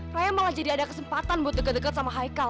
raya malah jadi ada kesempatan buat deket deket sama haikal